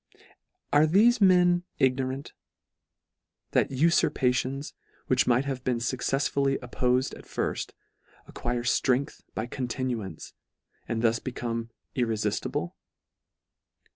Are thefe men ignorant, that ufurpations, which might have been fuccefsfully oppofed at firft, acquire ftrength by continuance, and thus become irrefiftible